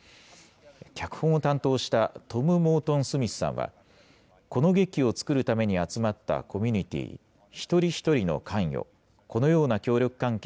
脚本を担当したトム・モートン・スミスさんは、この劇を作るために集まったコミュニティー、一人一人の関与。